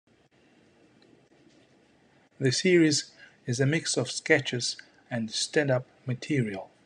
The series is a mix of sketches and stand-up material.